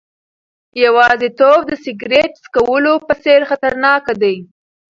یوازیتوب د سیګریټ څکولو په څېر خطرناک دی.